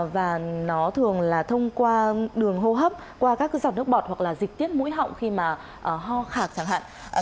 và nó thường là thông qua đường hô hấp qua các giọt nước bọt hoặc là dịch tiết mũi họng khi mà ho khạc chẳng hạn